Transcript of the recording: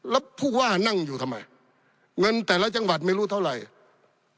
แล้วผู้ว่านั่งอยู่ทำไมเงินแต่ละจังหวัดไม่รู้เท่าไหร่